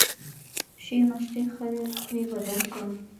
ښې مستې خرې به درکم.